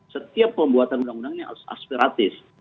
setiap pembuatan undang undang ini harus aspiratif